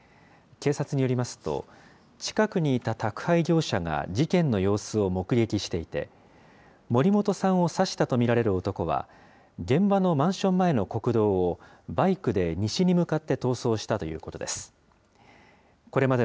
警察によりますと、近くにいた宅配業者が事件の様子を目撃していて、森本さんを刺したと見られる男は、現場のマンション前の国道をバイクで西に向かって逃走したということです。